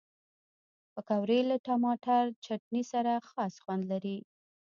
پکورې له ټماټر چټني سره خاص خوند لري